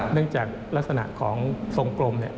เนื่องจากลักษณะของทรงกลม